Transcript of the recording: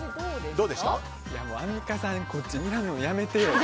アンミカさんこっち見るのやめてよ。